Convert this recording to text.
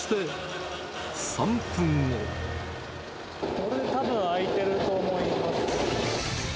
これでたぶん開いてると思います。